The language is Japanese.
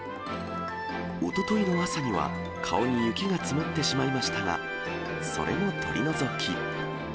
おとといの朝には、顔に雪が積もってしまいましたが、それも取り除き。